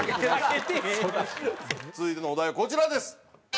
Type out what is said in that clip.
続いてのお題はこちらです。